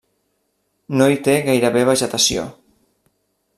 No hi té gairebé vegetació.